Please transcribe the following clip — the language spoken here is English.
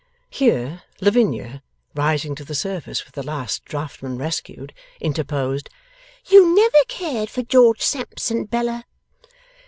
Here, Lavinia, rising to the surface with the last draughtman rescued, interposed, 'You never cared for George Sampson, Bella.